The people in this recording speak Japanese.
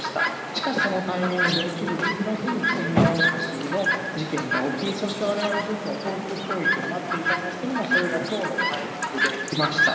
しかし、そのタイミングで起きる次の日にクリミア大橋の事件が起き我々はずっと攻撃を待っていたんですがそれが今日のタイミングできました。